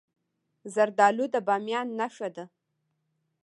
زردالو د بامیان نښه ده.